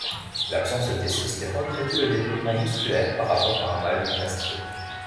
L’absence de testostérone réduit le développement musculaire par rapport à un mâle non castré.